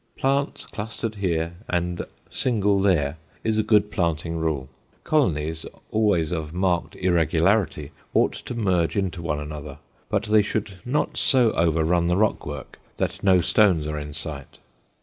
Plants clustered here and single there is a good planting rule. Colonies, always of marked irregularity, ought to merge into one another, but they should not so overrun the rock work that no stones are in sight.